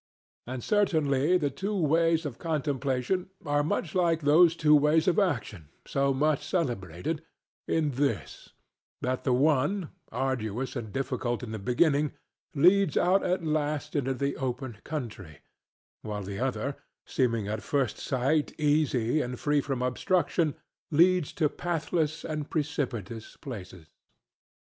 And certainly the two ways of contemplation are much like those two ways of action, so much celebrated, in this that the one, arduous and difficult in the beginning, leads out at last into the open country; while the other, seeming at first sight easy and free from obstruction, leads to pathless and precipitous places.